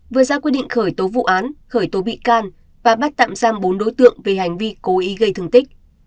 vừa ra quyết định khởi tố vụ án khởi tố bị can và bắt tạm giam bốn đối tượng về hành vi cố ý gây thương tích